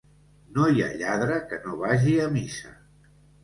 No hi ha lladre que no vagi a missa.